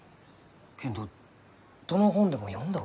けんどどの本でも読んだ覚えないき。